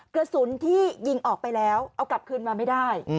กระสุนที่ยิงออกไปแล้วเอากลับคืนมาไม่ได้